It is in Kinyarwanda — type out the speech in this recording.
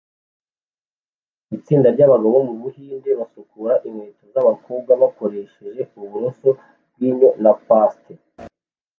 Itsinda ryabagabo bo mubuhinde basukura inkweto zabakobwa bakoresheje uburoso bwinyo na paste